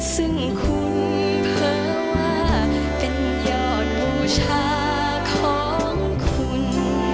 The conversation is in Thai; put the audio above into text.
ซึ่งคุณเผลอว่าเป็นยอดบูชาของคุณ